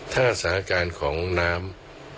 ถ้าสถาคารของน้ำ